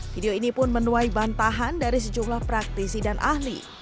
video ini pun menuai bantahan dari sejumlah praktisi dan ahli